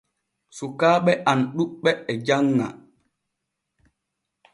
Sukkaaɓe am ɗuɓɓe e janŋa.